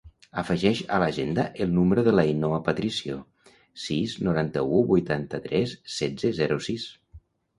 Afegeix a l'agenda el número de l'Ainhoa Patricio: sis, noranta-u, vuitanta-tres, setze, zero, sis.